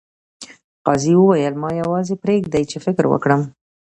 قاضي وویل ما یوازې پریږدئ چې فکر وکړم.